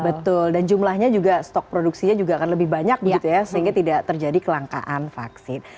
betul dan jumlahnya juga stok produksinya juga akan lebih banyak begitu ya sehingga tidak terjadi kelangkaan vaksin